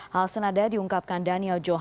hal senada diungkapkan daniel johan